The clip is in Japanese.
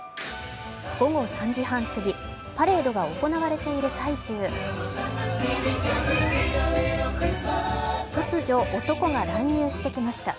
午後３時半すぎ、パレードが行われている最中、突如、男が乱入してきました。